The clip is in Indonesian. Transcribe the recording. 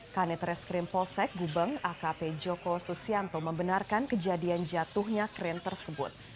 kanitres krim polsek gubeng akp joko susianto membenarkan kejadian jatuhnya crane tersebut